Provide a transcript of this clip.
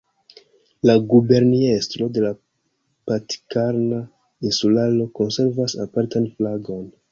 La Guberniestro de la Pitkarna Insularo konservas apartan flagon.